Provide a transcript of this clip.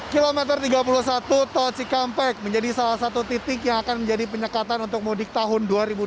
kilometer tiga puluh satu tol cikampek menjadi salah satu titik yang akan menjadi penyekatan untuk mudik tahun dua ribu dua puluh